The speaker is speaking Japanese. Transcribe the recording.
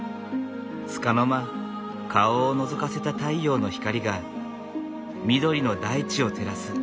つかの間顔をのぞかせた太陽の光が緑の大地を照らす。